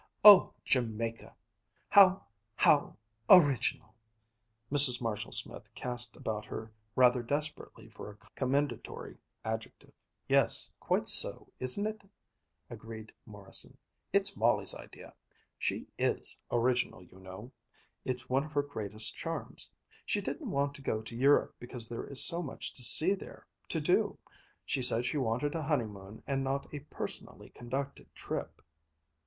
"Oh! Jamaica! How ... how ... original!" Mrs. Marshall Smith cast about her rather desperately for a commendatory adjective. "Yes, quite so, isn't it?" agreed Morrison. "It's Molly's idea. She is original, you know. It's one of her greatest charms. She didn't want to go to Europe because there is so much to see there, to do. She said she wanted a honeymoon and not a personally conducted trip."